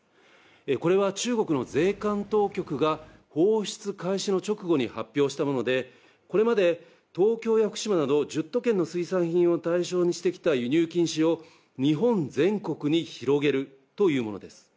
これは、中国の税関当局が放出開始の直後に発表したもので、これまで東京や福島など１０都県の水産品を対象にしてきた輸入禁止を、日本全国に広げるというものです。